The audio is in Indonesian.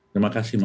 terima kasih mbak